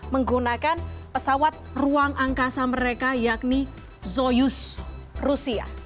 menggunakan pesawat ruang angkasa mereka yakni zoyus rusia